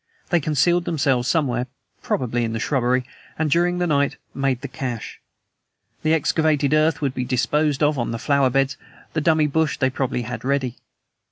They concealed themselves somewhere probably in the shrubbery and during the night made the cache. The excavated earth would be disposed of on the flower beds; the dummy bush they probably had ready.